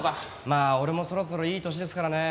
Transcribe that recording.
まあ俺もそろそろいい年ですからね。